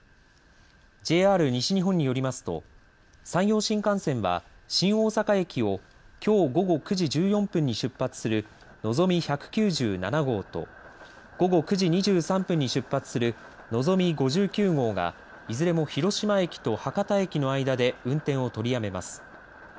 ＪＲ西日本によりますと山陽新幹線は新大阪駅をきょう午後９時１４分に出発するのぞみ１９７号と午後９時２３分に出発するのぞみ５９号がいずれも広島駅と博多駅の間で運転を取りやめます。